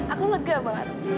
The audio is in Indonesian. aku lega banget